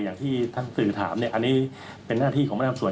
อย่างที่ท่านสื่อถามอันนี้เป็นหน้าที่ของมาตรศวร